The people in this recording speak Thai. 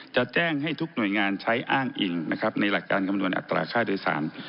จะแจ้งให้ทุกหน่วยงานใช้อ้างอิงในหลักการกำหนดอัตราค่าอดีตศาล